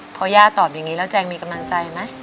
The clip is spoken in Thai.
พอย่าตอบอย่างนี้แล้วแจงมีกำลังใจไหม